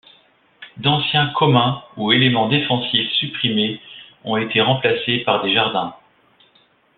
D'anciens communs ou éléments défensifs supprimés ont été remplacés par des jardins.